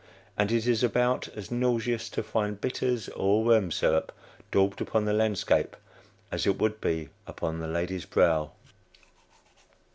And it is about as nauseous to find "Bitters" or "Worm Syrup" daubed upon the landscape, as it would be upon the lady's brow.